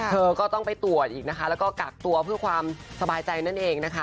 เธอก็ต้องไปตรวจอีกนะคะแล้วก็กักตัวเพื่อความสบายใจนั่นเองนะคะ